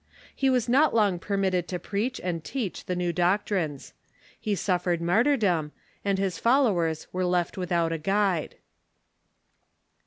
He was not long permitted to preach and teach the new doctrines. He suffered martyrdom, and his followers were left without a guide.